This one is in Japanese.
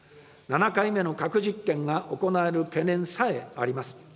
７回目の核実験が行われる懸念さえあります。